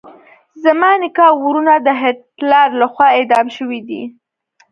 زما نیکه او ورونه د هټلر لخوا اعدام شويدي.